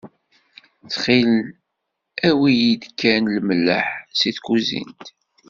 Ttxil, awi-yi-d kan lemleḥ si tkuzint.